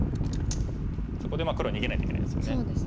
そこで黒逃げないといけないですよね。